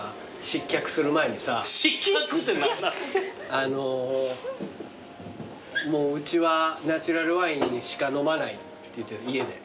あのもううちはナチュラルワインしか飲まないって家で。